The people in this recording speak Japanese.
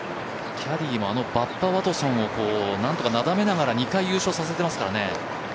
キャディーもあのバッバ・ワトソンをなだめながら２回、優勝させてますからね。